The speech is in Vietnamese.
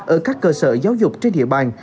ở các cơ sở giáo dục trên địa bàn